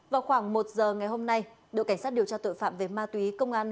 vào khoảng một giờ ngày hôm nay đội cảnh sát điều tra tội phạm về ma túy